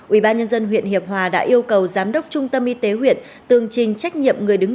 ubnd huyện hiệp hòa đã yêu cầu giám đốc trung tâm y tế huyện tương trình trách nhiệm người đứng